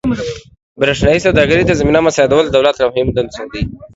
برېښنايي سوداګرۍ ته زمینه مساعدول د دولت له مهمو دندو دي.